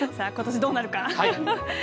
ことし、どうなるか。